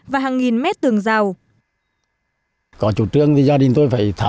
và hàng nghìn mét tường rào